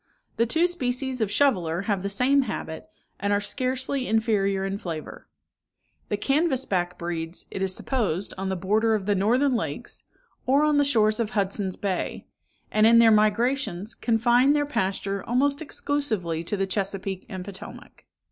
The two species of shoveler have the same habit, and are scarcely inferior in flavour. The canvass back breeds, it is supposed, on the borders of the northern lakes, or on the shores of Hudson's Bay; and in their migrations confine their pasture almost exclusively to the Chesapeake and Potomac.